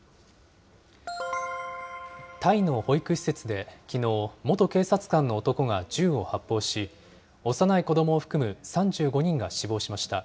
タイの保育施設できのう、元警察官の男が銃を発砲し、幼い子どもを含む３５人が死亡しました。